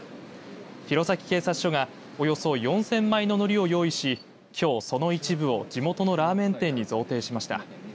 弘前警察署がおよそ４０００枚ののりを用意しきょう、その一部を地元のラーメン店に贈呈しました。